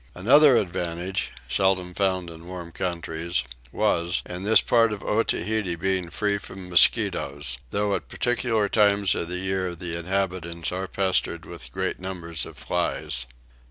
Another advantage, seldom found in warm countries, was, in this part of Otaheite being free from mosquitoes, though at particular times of the year the inhabitants are pestered with great numbers of flies.